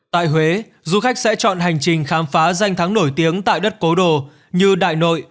tại huế du khách sẽ chọn hành trình khám phá danh thắng nổi tiếng tại đất cố đồ như đại nội